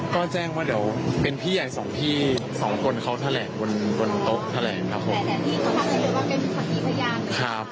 ก็แจ้งว่าเดี๋ยวเป็นพี่ใหญ่สองพี่สองคนเขาแทรกบนบนโต๊ะแทรกนะครับ